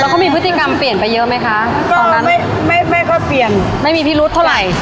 เราก็มีพฤติกรรมเปลี่ยนไปเยอะไหมคะก็ไม่ไม่ไม่ค่อยเปลี่ยนไม่มีพิรุษเท่าไหร่